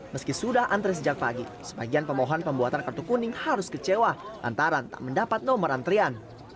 meski sudah antre sejak pagi sebagian pemohon pembuatan kartu kuning harus kecewa lantaran tak mendapat nomor antrian